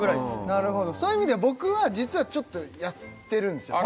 なるほどそういう意味では僕は実はちょっとやってるんですよ